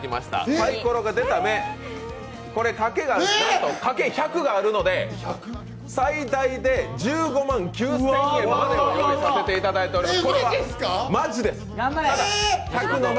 さいころが出た目、掛け１００があるので最大で１５万９０００円までご用意させていただいています。